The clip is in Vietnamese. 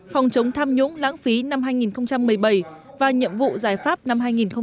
phòng chống tham nhũng lãng phí năm hai nghìn một mươi bảy và nhiệm vụ giải pháp năm hai nghìn một mươi chín